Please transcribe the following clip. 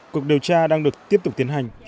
cuộc điều tra đang được tiếp tục tiến hành